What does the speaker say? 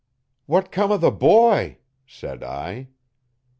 'What 'come o' the boy?' said I.